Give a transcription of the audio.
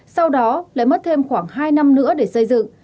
sau đó lại mất thêm khoảng hai năm nữa để xây dựng